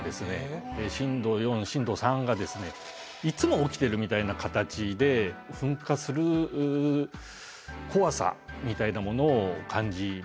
震度４震度３がですねいつも起きてるみたいな形で噴火する怖さみたいなものを感じました。